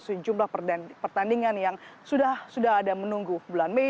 sejumlah pertandingan yang sudah ada menunggu bulan mei